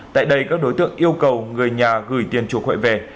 tại đây các đối tượng yêu cầu người nhà gửi tiền chuộc huệ về